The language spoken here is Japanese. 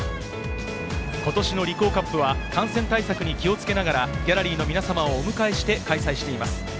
今年のリコーカップは感染対策に気を付けながらギャラリーの皆様をお迎えして開催しています。